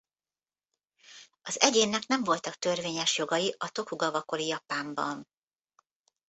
Az egyénnek nem voltak törvényes jogai a Tokugava-kori Japánban.